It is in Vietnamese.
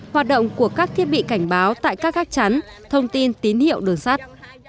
hoạt động của các thiết bị cảnh báo tại các gác chắn thông tin tín hiệu đường sắt